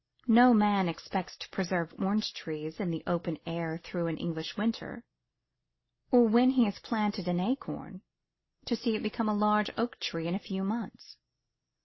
No man expects to preserve orange trees in the open air through an English winter; or when he has planted an acorn, to see it become a large oak in a few months.